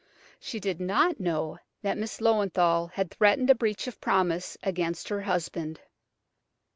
She did not know that Miss Löwenthal had threatened a breach of promise action against her husband.